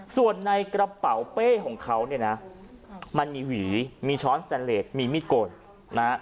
ส่วนในกระเป๋าเป้ของเขาเนี่ยนะมันมีหวีมีช้อนแซนเลสมีมีดโกนนะฮะ